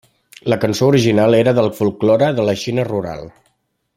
La cançó original era del folklore de la Xina rural.